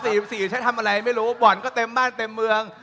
หมอ๔๔ใช้ทำอะไรไม่รู้วันก็เต็มบ้านเต็มเมือง